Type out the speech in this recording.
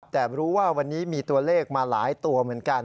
แต่รู้ว่าวันนี้มีตัวเลขมาหลายตัวเหมือนกัน